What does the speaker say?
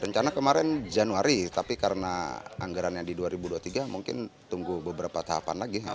rencana kemarin januari tapi karena anggarannya di dua ribu dua puluh tiga mungkin tunggu beberapa tahapan lagi